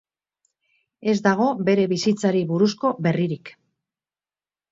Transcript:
Ez dago bere bizitzari buruzko berririk.